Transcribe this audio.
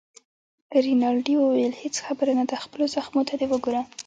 رینالډي وویل: هیڅ خبره نه ده، خپلو زخمو ته دې وګوره.